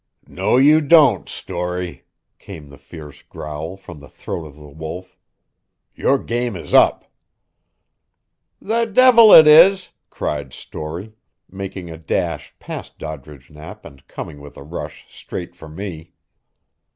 "No you don't, Storey," came the fierce growl from the throat of the Wolf. "Your game is up." "The devil it is!" cried Storey, making a dash past Doddridge Knapp and coming with a rush straight for me.